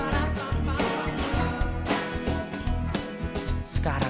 lepas dari diriku